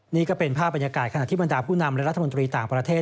นี่ก็เป็นภาพบรรยากาศขณะที่บรรดาผู้นำและรัฐมนตรีต่างประเทศ